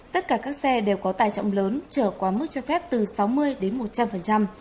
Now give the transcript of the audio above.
tất cả các xe đều có tài trọng lớn trở quá mức cho phép từ sáu mươi đến một trăm linh